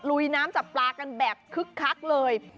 ลุยน้ำจับปลากันแบบคึกคักเลย